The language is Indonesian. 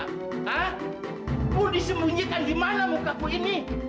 kamu disembunyikan dimana mukaku ini